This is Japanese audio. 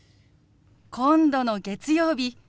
今度の月曜日